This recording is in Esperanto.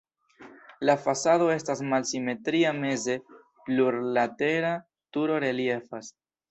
La fasado estas malsimetria, meze plurlatera turo reliefas.